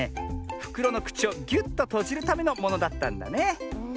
ふくろのくちをギュッととじるためのものだったんだね。